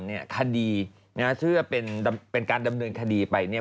เนี้ยคดีนะฮะชื่อเป็นเป็นการดำเนินคดีไปเนี่ย